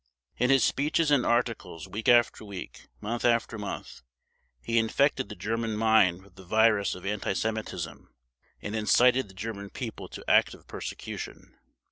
In his speeches and articles, week after week, month after month, he infected the German mind with the virus of anti Semitism, and incited the German People to active persecution.